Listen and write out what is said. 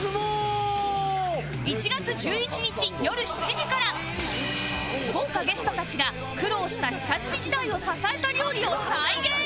１月１１日よる７時から豪華ゲストたちが苦労した下積み時代を支えた料理を再現